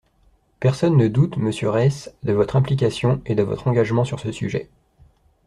Personne ne doute, monsieur Reiss, de votre implication et de votre engagement sur ce sujet.